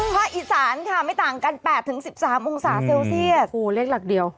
อีสานค่ะไม่ต่างกัน๘๑๓องศาเซลเซียสเลขหลักเดียว